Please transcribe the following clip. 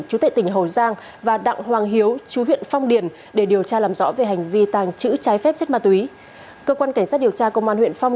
chú tệ tỉnh hồ giang và đặng hoàng hiếu chú huyện phong điền để điều tra làm rõ về hành vi tàn chữ trái phép chất ma túy